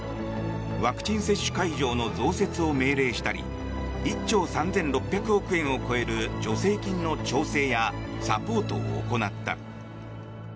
ワクチン接種会場の増設を命令したり１兆３６００億円を超える助成金の調整やサポートを行った。